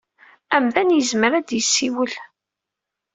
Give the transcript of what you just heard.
Amdan yezmer ad yessiwel.